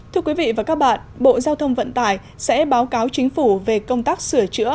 thưa quý vị và các bạn bộ giao thông vận tải sẽ báo cáo chính phủ về công tác sửa chữa